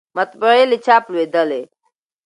مطبعې له چاپ لویدلې